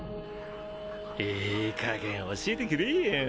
いいかげん教えてくれよ？